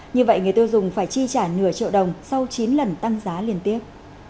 như vậy người tiêu dùng phải chi trả nửa triệu đồng sau chín lần tăng giá liên tiếp